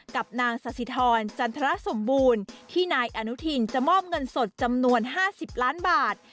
กับนางสสิทรจันทรสมบูรณ์ที่นายอนุทินจะมอบเงินสดจำนวน๕๐ล้านบาท